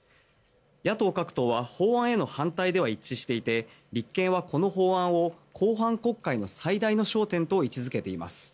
野党各党は法案への反対では一致していて立憲はこの法案を後半国会の最大の焦点と位置付けています。